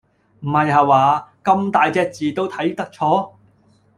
唔係下話，咁大隻字都睇得錯？